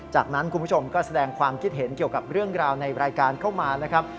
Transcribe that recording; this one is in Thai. จากนั้นคุณผู้ชมก็แสดงความคิดเห็นเกี่ยวกับเรื่องราวในรายการเข้ามานะครับ